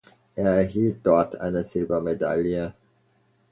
Er erhielt dort eine Silbermedaille.